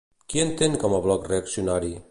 Qui entén com a bloc reaccionari?